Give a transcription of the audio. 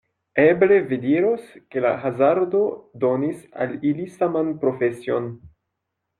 Eble vi diros, ke la hazardo donis al ili saman profesion.